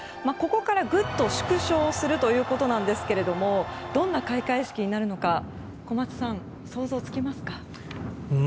ここからぐっと縮小するということなんですがどんな開会式になるのか小松さん、想像つきますか？